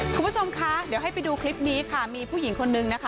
คุณผู้ชมคะเดี๋ยวให้ไปดูคลิปนี้ค่ะมีผู้หญิงคนนึงนะคะ